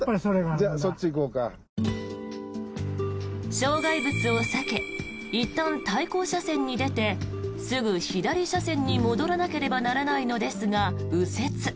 障害物を避けいったん対向車線に出てすぐ左車線に戻らなければならないのですが右折。